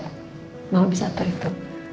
kalau bisa atur itu